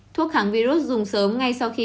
thuốc kháng virus dùng sớm ngay sau khi